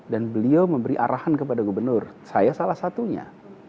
dan beliau memberi arahan kepada gubernur saya salah satunya